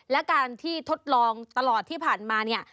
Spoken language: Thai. และการที่ทดลองตลอดที่ผ่านมาเนี่ย